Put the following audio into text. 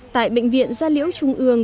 tại bệnh viện gia liễu trung ương